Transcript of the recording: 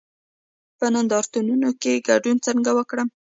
په نندارتونونو کې ګډون څنګه وکړم؟